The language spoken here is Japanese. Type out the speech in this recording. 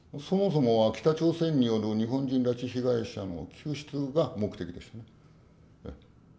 そもそもは北朝鮮による日本人拉致被害者の救出が目的でしたね。